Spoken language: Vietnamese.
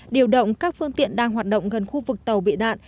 điều động các phương tiện đang hoạt động gần khu vực tàu bị nạn